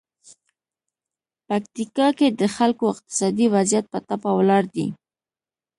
پکتیکا کې د خلکو اقتصادي وضعیت په ټپه ولاړ دی.